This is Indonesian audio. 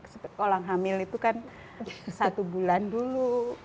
seperti orang hamil itu kan satu bulan dulu